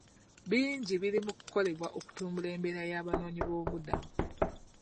Bingi biri mu kukolebwa okutumbula embeera y'abanoonyi b'obubuddamu.